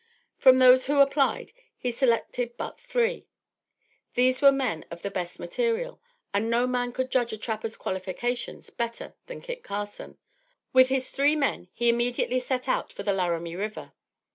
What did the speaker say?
From those who applied, he selected but three. These were men of the best material; and, no man could judge a trapper's qualifications better than Kit Carson. With his three men he immediately set out for the Laramie River.